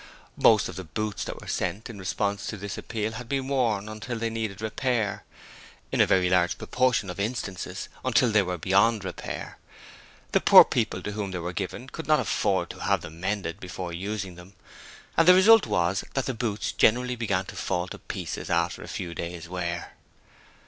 Most of the boots that were sent in response to this appeal had been worn until they needed repair in a very large proportion of instances, until they were beyond repair. The poor people to whom they were given could not afford to have them mended before using them, and the result was that the boots generally began to fall to pieces after a few days' wear.